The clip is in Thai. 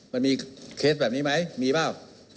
มันมีเคสแบบนี้ไหมมีเปล่า